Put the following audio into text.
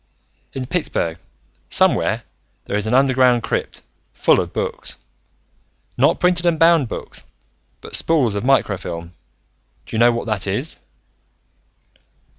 "In Pittsburgh, somewhere, there is an underground crypt, full of books. Not printed and bound books, but spools of microfilm. Do you know what that is?"